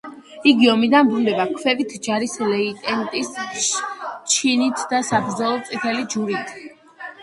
იგი ომიდან ბრუნდება ქვეითი ჯარის ლეიტენანტის ჩინით და საბრძოლო წითელი ჯვრით.